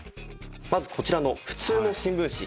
まずこちらの普通の新聞紙。